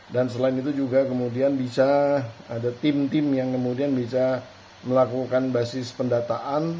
dan selain itu juga kemudian bisa ada tim tim yang kemudian bisa melakukan basis pendataan